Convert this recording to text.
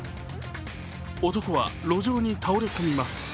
男は路上に倒れ込みます。